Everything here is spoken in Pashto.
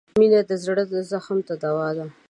• مینه د زړه زخم ته دوا ده.